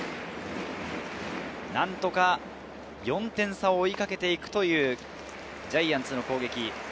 何とか４点差を追いかけていくジャイアンツの攻撃。